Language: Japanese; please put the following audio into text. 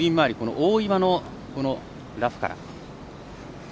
大岩、ラフから。